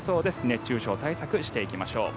熱中症対策していきましょう。